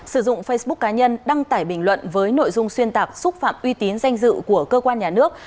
sử dụng facebook cá nhân đăng tải bình luận với nội dung xuyên tạc xúc phạm uy tín danh dự của cơ quan nhà nước